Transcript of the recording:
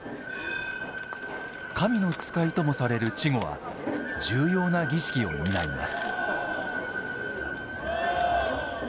神の使いともされる稚児は重要な儀式を担います。